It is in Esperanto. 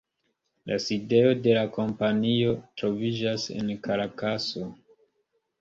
La sidejo de la kompanio troviĝas en Karakaso.